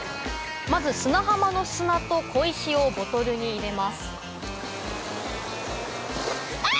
まず砂浜の砂と小石をボトルに入れますあ！